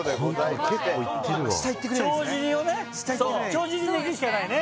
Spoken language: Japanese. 帳尻でいくしかないね